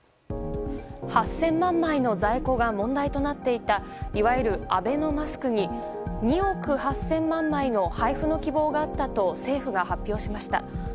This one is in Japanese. ８０００万枚の在庫が問題となっていたいわゆるアベノマスクに２億８０００万枚の配布の希望があったと政府が発表しました。